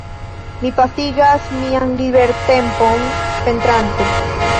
Mi pasigas mian libertempon pentrante.